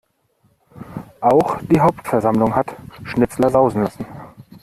Auch die Hauptversammlung hat Schnitzler sausen lassen.